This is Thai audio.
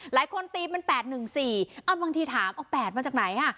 หลายคนตีเป็น๘๑๔บางทีถามเอา๘มันจากไหนฮะ